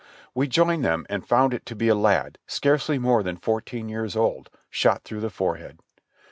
We joined them and found it to be a lad scarcely more than fourteen years old, shot through the forehead.